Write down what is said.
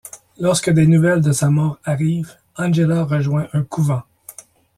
Lorsque des nouvelles de sa mort arrivent, Angela rejoint un couvent.